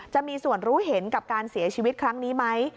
จะมีส่วนรู้เห็นกับการเสียชีวิตครั้งนี้ไหม